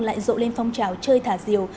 dậu lên phong trào chơi thả diều